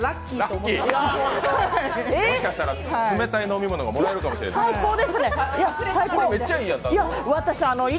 もしかしたら冷たい飲み物がもらえるかもしれない。